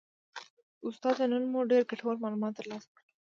استاده نن مو ډیر ګټور معلومات ترلاسه کړل